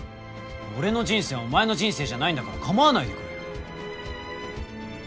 俺の人生はお前の人生じゃないんだから構わないでくれよ。